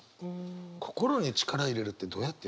心に力入れるってどうやってやるの？